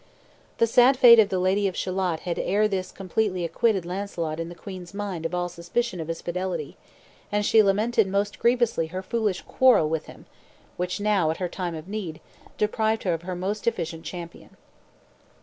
The sad fate of the Lady of Shalott had ere this completely acquitted Launcelot in the queen's mind of all suspicion of his fidelity, and she lamented most grievously her foolish quarrel with him, which now, at her time of need, deprived her of her most efficient champion.